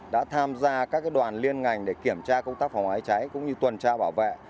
đã tham gia các đoàn liên ngành để kiểm tra công tác phòng cháy cháy cũng như tuần tra bảo vệ